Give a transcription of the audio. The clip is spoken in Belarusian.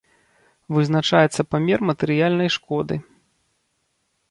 Вызначаецца памер матэрыяльнай шкоды.